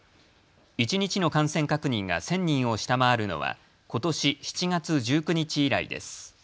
一日の感染確認が１０００人を下回るのはことし７月１９日以来です。